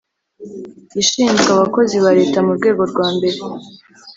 ishinzwe Abakozi ba Leta mu rwego rwa mbere